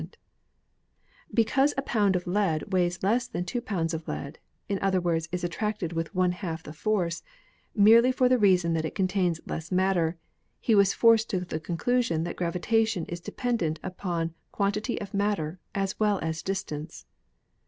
But because a pound of lead weighs less than two pounds of lead (in other words, is attracted with one half the force) merely for the reason that it contains less matter, he was forced to the conclusion that gravitation is dependent upon quantity of matter as well as distance.